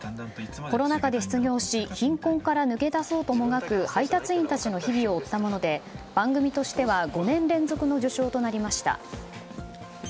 コロナ禍で失業し貧困から抜け出そうともがく配達員たちの日々を追ったもので番組としては５年連続の受賞となりました。